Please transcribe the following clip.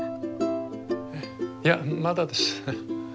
えいやまだです。